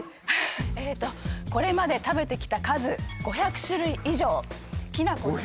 えとこれまで食べてきた数５００種類以上！